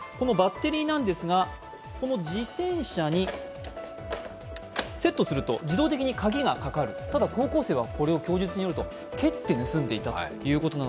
このバッテリーなんですが、自転車にセットすると自動的に鍵がかかるただ高校生は供述によると蹴って盗んでいたということです。